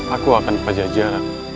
aku akan ke pajajaran